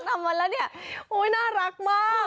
เผื่อกลำมันแล้วนี่โอ๊ยน่ารักมาก